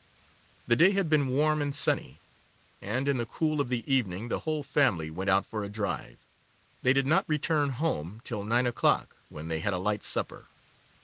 The day had been warm and sunny; and, in the cool of the evening, the whole family went out for a drive. They did not return home till nine o'clock, when they had a light supper.